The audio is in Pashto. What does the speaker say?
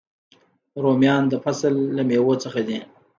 رومیان د فصل له میوو څخه دي